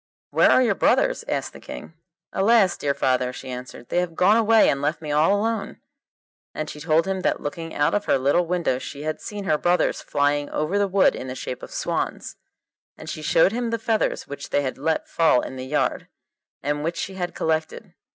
'Where are your brothers?' asked the King. 'Alas! dear father,' she answered, 'they have gone away and left me all alone.' And she told him that looking out of her little window she had seen her brothers flying over the wood in the shape of swans, and she showed him the feathers which they had let fall in the yard, and which she had collected.